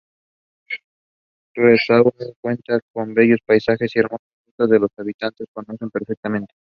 Retuerta cuenta con bellos paisajes y hermosas rutas que los habitantes conocen perfectamente.